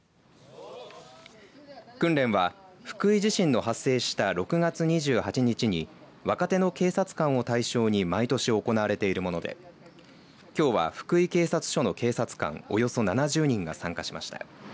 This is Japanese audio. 訓練は福井地震の発生した６月２８日に若手の警察官を対象に毎年、行われているものできょうは福井警察署の警察官およそ７０人が参加しました。